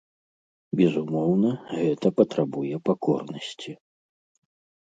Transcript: Безумоўна, гэта патрабуе пакорнасці.